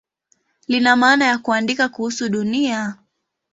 Lina maana ya "kuandika kuhusu Dunia".